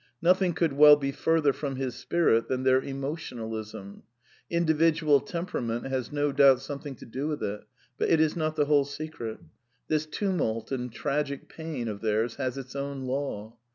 Nothing could well be far ther from his spirit than their emotionalism. Individual temperament has no doubt something to do with it ; but it is not the whole secret. This tumult and tragic pain of theirs has its own law.